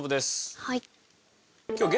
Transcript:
はい。